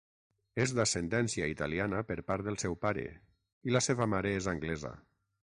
És d'ascendència italiana per part del seu pare i la seva mare és anglesa.